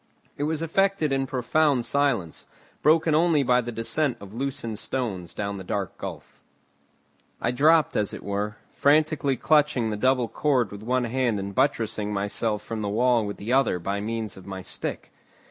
It was effected in profound silence, broken only by the descent of loosened stones down the dark gulf. I dropped as it were, frantically clutching the double cord with one hand and buttressing myself from the wall with the other by means of my stick.